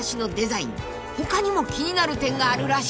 ［他にも気になる点があるらしい］